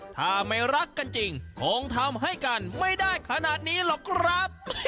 ถ้าไม่รักกันจริงคงทำให้กันไม่ได้ขนาดนี้หรอกครับ